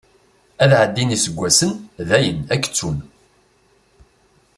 Ad ɛeddin iseggasen, dayen ad k-ttun.